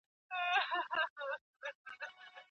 هغوی اوږدمهاله وده په بل ډول لیدله.